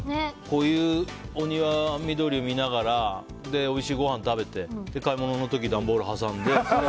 こういうお庭の緑を見ながらおいしいごはんを食べて買い物の時は段ボール挟んで。